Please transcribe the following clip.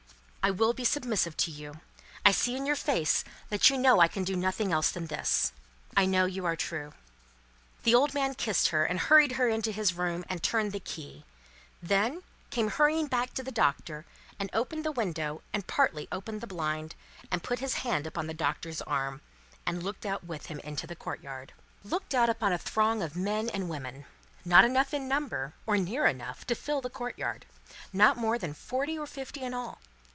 "I will be submissive to you. I see in your face that you know I can do nothing else than this. I know you are true." The old man kissed her, and hurried her into his room, and turned the key; then, came hurrying back to the Doctor, and opened the window and partly opened the blind, and put his hand upon the Doctor's arm, and looked out with him into the courtyard. Looked out upon a throng of men and women: not enough in number, or near enough, to fill the courtyard: not more than forty or fifty in all.